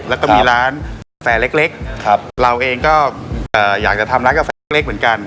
แล้วก็มีร้านแฟร์เล็กเล็กครับเราเองก็เอ่ออยากจะทำรักกับแฟร์เล็กเหมือนกัน